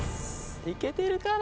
いけてるかな？